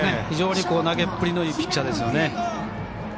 非常に投げっぷりのいいピッチャーですよね。